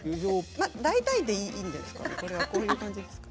大体でいいんですか。